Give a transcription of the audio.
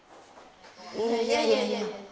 いやいやいやいや。